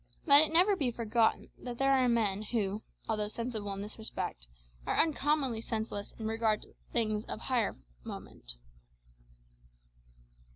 Let it never be forgotten that there are men who, although sensible in this respect, are uncommonly senseless in regard to other things of far higher moment.